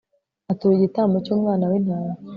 atura igitambo cy'umwana w'intama